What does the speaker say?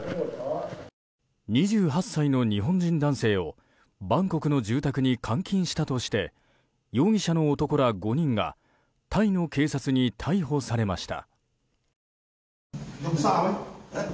２８歳の日本人男性をバンコクの住宅に監禁したとして容疑者の男ら５人がタイの警察に逮捕されました。